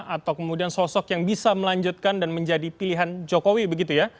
atau kemudian sosok yang bisa melanjutkan dan menjadi pilihan jokowi begitu ya